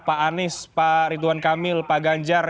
pak anies pak ridwan kamil pak ganjar